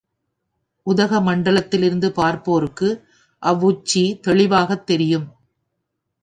உதகமண்டலத்திலிருந்து பார்ப்போருக்கு அவ்வுச்சி தெளிவாகத் தெரியும்.